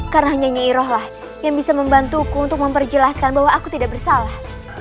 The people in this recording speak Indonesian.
karena nyairohlah yang bisa membantuku untuk memperjelaskan bahwa aku tidak bersalah